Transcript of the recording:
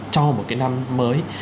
cho một cái năm mới